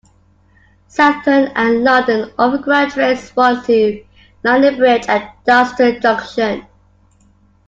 Southern and London Overground trains run to London Bridge and Dalston Junction.